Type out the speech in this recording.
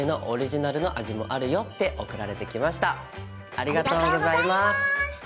ありがとうございます。